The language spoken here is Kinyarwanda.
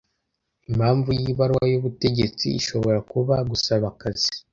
Impamvu y’ibaruwa y’ubutegetsi ishobora kuba: gusaba akazi,